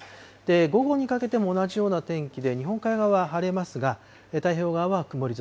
午後にかけても同じような天気で日本海側は晴れますが、太平洋側は曇り空。